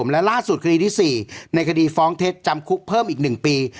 และล่าสุดคดีที่๔ในคดีฟ้องเท็จจำคุกเพิ่มอีก๑ปี